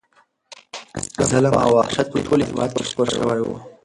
ظلم او وحشت په ټول هېواد کې خپور شوی و.